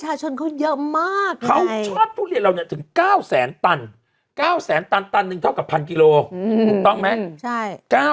ชาชนเขาเยอะมากไงเขาชอบทุเรียนเราเนี่ยถึง๙๐๐๐๐๐ตัน๙๐๐๐๐๐ตันตันนึงเท่ากับพันกิโลอืมต้องไหมใช่